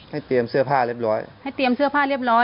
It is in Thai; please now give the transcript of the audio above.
ให้เตรียมเสื้อผ้าเรียบร้อย